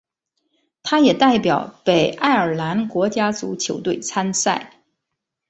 他也代表北爱尔兰国家足球队参赛。